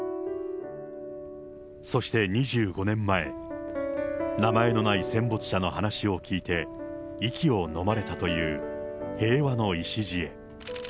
そして２５年前、名前のない戦没者の話を聞いて、息をのまれたという平和の礎へ。